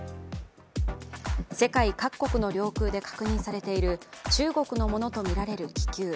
世界各国の領空で確認されている中国のものとみられる気球。